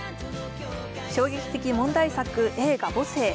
衝撃的問題作映画「母性」。